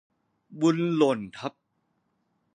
บุญหล่นทับ